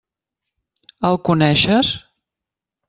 El coneixes?